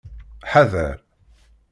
Ḥader.